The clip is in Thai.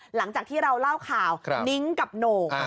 หลังจากที่เราเล่าข่าวนิ้งกับโหน่ง